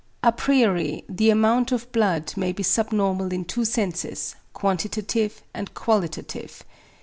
À priori, the amount of blood may be subnormal in two senses, quantitative and qualitative.